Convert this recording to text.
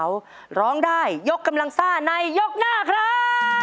เขาร้องได้ยกกำลังซ่าในยกหน้าครับ